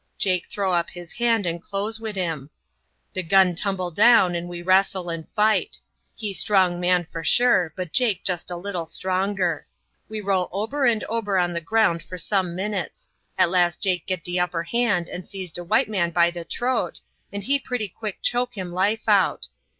Jake throw up his hand and close wid him. De gun tumble down and we wrastle and fight. He strong man for sure, but Jake jest a little stronger. We roll ober and ober on de ground for some minutes; at last Jake git de upper hand and seize de white man by de t'roat, and he pretty quick choke him life out.